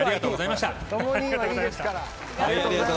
とも兄はいいですから。